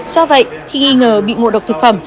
do vậy khi nghi ngờ bị ngộ độc thực phẩm